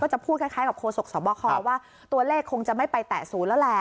จะพูดคล้ายกับโฆษกสวบคว่าตัวเลขคงจะไม่ไปแตะศูนย์แล้วแหละ